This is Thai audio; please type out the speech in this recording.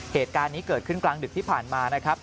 เหตุการณ์นี้เกิดขึ้นกลางดึกที่ผ่านมานะครับ